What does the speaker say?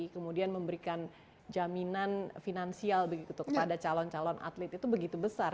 kemudian memberikan jaminan finansial begitu kepada calon calon atlet itu begitu besar